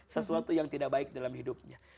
sesuatu yang tidak baik dalam hidupnya